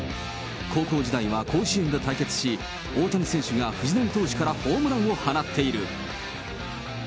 高校時代は甲子園で対決し、大谷選手が藤浪投手からホームランを放っている。